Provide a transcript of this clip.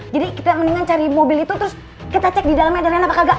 jadi kita mendingan cari mobil itu terus kita cek di dalamnya ada reina apa enggak